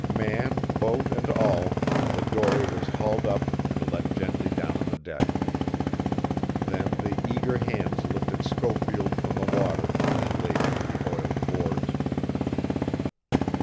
Man, boat, and all, the dory was hauled up and let gently down on the deck. Then the eager hands lifted Schofield from the water and laid him on the oiled boards.